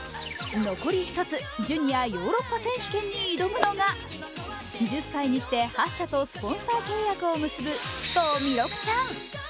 残り１つ、ジュニアヨーロッパ選手権に挑むのが１０歳にして８社とスポンサー契約を結ぶ須藤弥勒ちゃん。